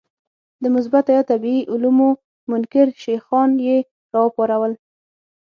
د مثبته یا طبیعي علومو منکر شیخان یې راوپارول.